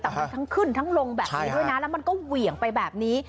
แต่มันทั้งขึ้นทั้งลงแบบนี้ด้วยนะแล้วมันก็เหวี่ยงไปแบบนี้